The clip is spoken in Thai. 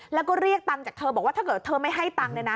แล้วก็เรียกตังค์จากเธอบอกว่าถ้าเธอไม่ให้ตังค์